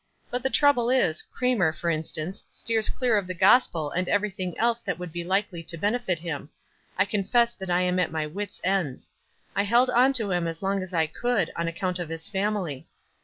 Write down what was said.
"But the trouble is, Cramer, for in stance, steers clear of the gospel and everything else that would be likely to benefit him. I con fess that I am at my wits' ends. I held on to him as long as T could on account of his family.